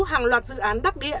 hàng loạt dự án đắc địa